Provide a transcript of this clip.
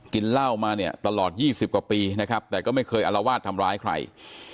กินเหล้ามาเนี่ยตลอด๒๐กว่าปีนะครับแต่ก็ไม่เคยอลวาดทำร้ายใคร